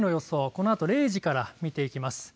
このあと０時から見ていきます。